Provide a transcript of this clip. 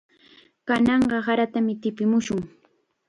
Kananqa saratam tipimushun.